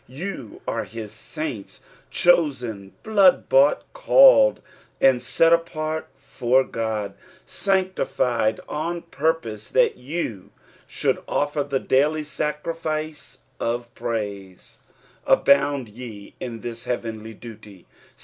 You are Au sunts — chosen, blood bought, called, and set •part for God ; sanctified on purpose that you should ufier the daily Hacri&ce of praise. Abound ye in this hearenly duty.